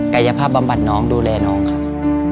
กายภาพบำบัดน้องดูแลน้องครับ